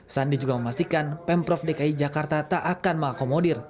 sandi juga memastikan pemprov dki jakarta tak akan mengakomodir